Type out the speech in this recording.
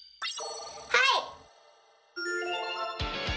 はい！